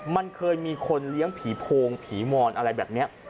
มันเคยมีคนเลี้ยงผีโพงผีมอนอะไรแบบนี้